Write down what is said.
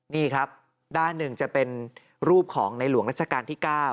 นี่ครับด้านหนึ่งจะเป็นรูปของในหลวงรัชกาลที่๙